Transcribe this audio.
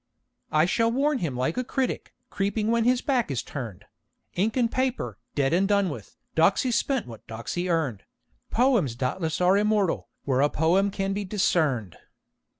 I shall warn him like a critic, creeping when his back is turned, "Ink and paper, dead and done with; Doxey spent what Doxey earned; Poems doubtless are immortal, where a poem can be discerned!"